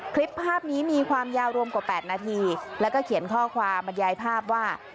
คลิปภาพนี้มีความยาวรวมกว่า๘นาทีแล้วก็เขียนข้อความบรรยายภาพว่า